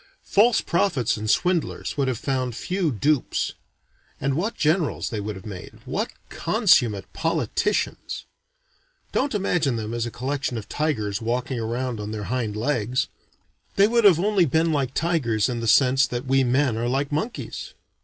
False prophets and swindlers would have found few dupes. And what generals they would have made! what consummate politicians! Don't imagine them as a collection of tigers walking around on their hind legs. They would have only been like tigers in the sense that we men are like monkeys.